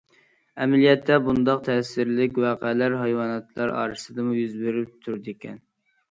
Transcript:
ئەمەلىيەتتە بۇنداق تەسىرلىك ۋەقەلەر ھايۋاناتلار ئارىسىدىمۇ يۈز بېرىپ تۇرىدىكەن.